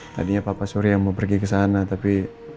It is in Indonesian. tadinya papa surya mau pergi kesana tapi